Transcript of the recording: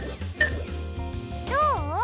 どう？